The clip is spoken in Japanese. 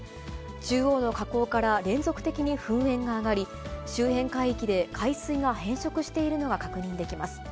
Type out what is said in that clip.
中央の火口から連続的に噴煙が上がり、周辺海域で海水が変色しているのが確認できます。